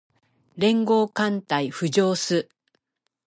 連合艦隊浮上す